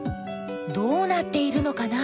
どうなっているのかな？